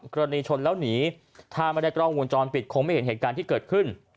กรณีชนแล้วหนีถ้าไม่ได้กล้องวงจรปิดคงไม่เห็นเหตุการณ์ที่เกิดขึ้น